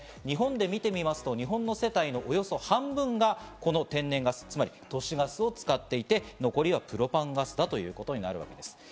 日本で見てみますと日本の世帯のおよそ半分がこの天然ガス、つまり都市ガスを使っていて、残りはプロパンガスだということになります。